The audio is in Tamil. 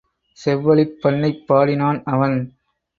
செவ்வழிப் பண்ணைப் பாடினான் அவன்.